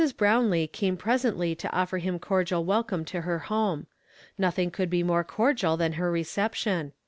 Hrownlee came presently to offer him cordial wclcouie to her home ; nothing could be more cor dial than her reception.